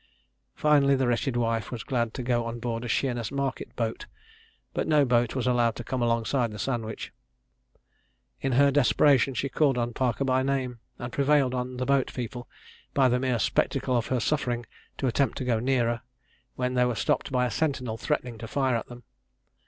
Finally, the wretched wife was glad to go on board a Sheerness market boat, but no boat was allowed to come alongside the Sandwich. In her desperation she called on Parker by name, and prevailed on the boat people, by the mere spectacle of her suffering, to attempt to go nearer, when they were stopped by a sentinel threatening to fire at them.